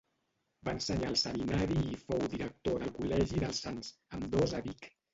Va ensenyar al seminari i fou director del col·legi dels Sants, ambdós a Vic.